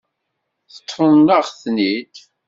Teṭṭfem-aɣ-ten-id.